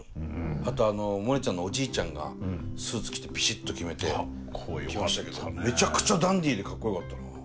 あとあのモネちゃんのおじいちゃんがスーツ着てピシッと決めて来ましたけどめちゃくちゃダンディーでかっこよかったな。